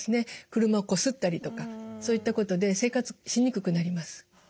車をこすったりとかそういったことで生活しにくくなります。